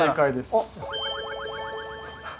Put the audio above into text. あっ。